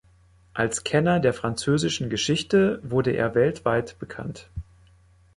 Als Kenner der französischen Geschichte wurde er weltweit bekannt.